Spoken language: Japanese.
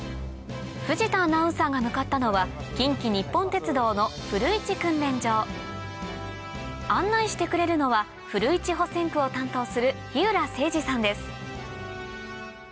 藤田アナウンサーが向かったのは近畿日本鉄道の古市訓練場案内してくれるのは古市保線区を担当する日浦誠治さんです